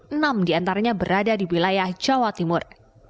enam di antaranya berada di wilayah jawa timur